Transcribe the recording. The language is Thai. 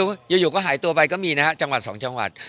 แล้วไปคิดอะไรก็ไม่รู้อยู่ก็หายตัวไปก็มีนะครับจังหวัดสองจังหวัด